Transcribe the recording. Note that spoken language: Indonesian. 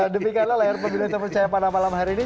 demikianlah layar pembeli untuk percaya pada malam hari ini